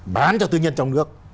bán cho tư nhân trong nước